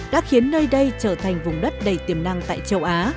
đã khiến nơi đây trở thành vùng đất đầy tiềm năng tại châu á